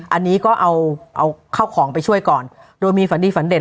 อันนี้ก็เอาเอาเข้าของไปช่วยก่อนโดยมีฝันดีฝันเด่น